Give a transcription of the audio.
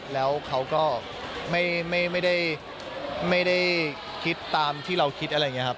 แล้วเขาก็ไม่ได้คิดตามที่เราคิดอะไรอย่างนี้ครับ